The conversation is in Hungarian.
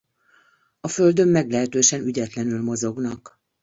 A földön meglehetősen ügyetlenül mozognak.